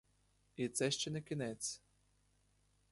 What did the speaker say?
І це ще не кінець!